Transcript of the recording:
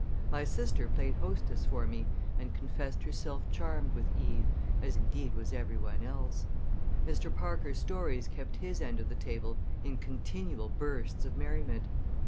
My sister played hostess for me and confessed herself charmed with Eve, as indeed was every one else. Mr. Parker's stories kept his end of the table in continual bursts of merriment.